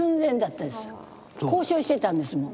交渉してたんですもん